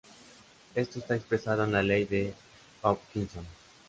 Esto está expresado en la ley de Hopkinson.